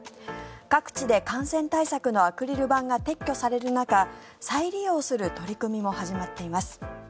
各地で感染対策のアクリル板が撤去される中再利用する取り組みも始まっています。